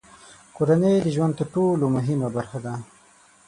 کورنۍ د ژوند تر ټولو مهمه برخه ده.